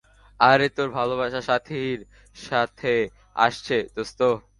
আরে তোর ভালোবাসা স্বাতীর সাথে আসছে, দোস্ত।